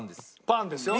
パンですよ。